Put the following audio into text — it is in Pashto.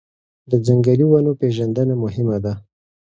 د ځنګلي ونو پېژندنه مهمه ده.